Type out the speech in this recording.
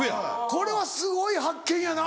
これはすごい発見やな。